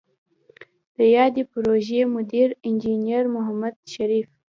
د یادې پروژې مدیر انجنیر محمد شریف